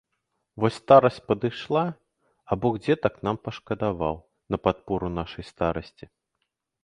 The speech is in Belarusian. Вось старасць падышла, а бог дзетак нам пашкадаваў на падпору нашай старасці.